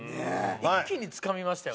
一気につかみましたよね